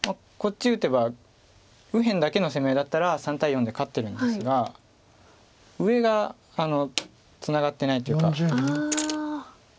こっち打てば右辺だけの攻め合いだったら３対４で勝ってるんですが上がツナがってないというか。